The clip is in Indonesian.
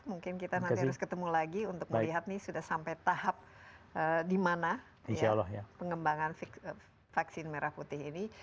mungkin kita nanti harus ketemu lagi untuk melihat ini sudah sampai tahap di mana pengembangan vaksin merah putih ini